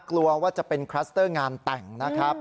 กลัวว่าจะเป็นคลัสเตอร์งานแต่งนะครับ